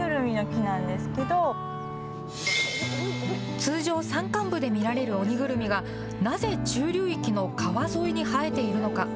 通常、山間部で見られるオニグルミが、なぜ中流域の川沿いに生えているのか。